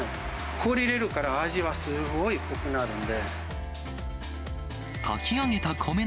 これ入れるから、味はすごい濃厚、濃くなるんで。